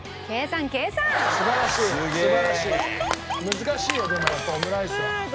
難しいよでもやっぱオムライスは。